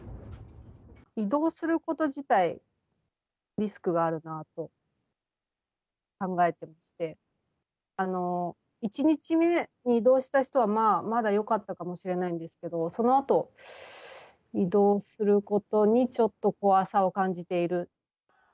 移動すること自体、リスクがあるなって考えてまして、１日目に移動した人はまだよかったかもしれないですけど、そのあと、移動することにちょっと怖さを感じている。